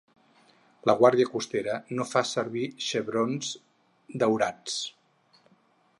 La Guàrdia Costanera no fa servir xebrons daurats.